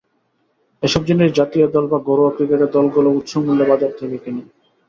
এসব জিনিস জাতীয় দল বা ঘরোয়া ক্রিকেটের দলগুলো উচ্চমূল্যে বাজার থেকে কেনে।